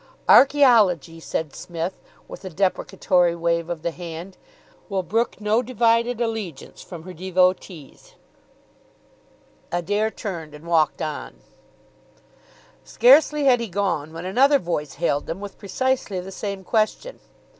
"Archaeology," said Psmith, with a deprecatory wave of the hand, "will brook no divided allegiance from her devotees." Adair turned, and walked on. Scarcely had he gone, when another voice hailed them with precisely the same question.